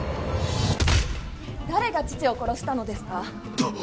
誰が父を殺したのですか。